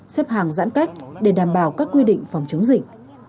xếp hàng giãn cách để đảm bảo các quy định phòng chống dịch